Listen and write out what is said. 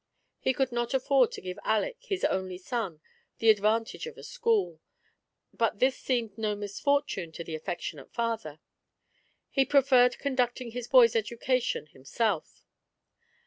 He could not afford to give Aleck, his only son, the advantage of a school, but this seemed no misfortune to the affectionate father; he preferred conducting his boy's education himself.